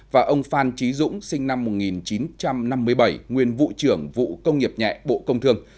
và ông phan trí dũng sinh năm một nghìn chín trăm năm mươi bảy nguyên vụ trưởng vụ công nghiệp nhẹ bộ công thương